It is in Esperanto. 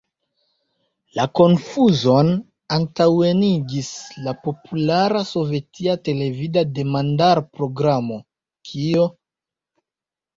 La konfuzon antaŭenigis la populara sovetia televida demandar-programo "Kio?